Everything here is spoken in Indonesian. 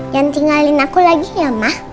jangan tinggalin aku lagi ya ma